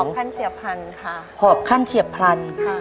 หอบขั้นเฉียบพันธุ์ค่ะหอบขั้นเฉียบพันธุ์ค่ะ